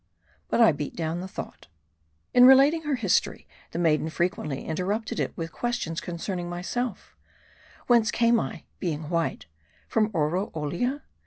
But I beat down the thought. In relating her story, the maiden frequently interrupted it with questions concerning myself : Whence I came : being white, from Oroolia